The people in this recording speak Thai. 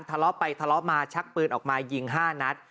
ทะเลาะไปทะเลาะมาชักปืนออกมายิง๕นัด